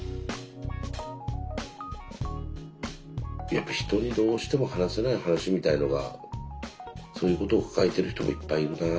やっぱ人にどうしても話せない話みたいのがそういうことを抱えてる人もいっぱいいるなっていう。